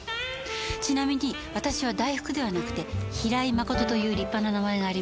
ちなみに私は大福ではなくて平井真琴という立派な名前があります。